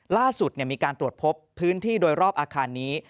ล่าสุดมีการตรวจพบพื้นที่โดยรอบอาคารนี้